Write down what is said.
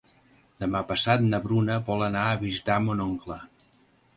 Demà passat na Bruna vol anar a visitar mon oncle.